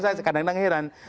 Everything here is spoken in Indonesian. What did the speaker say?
saya kadang kadang heran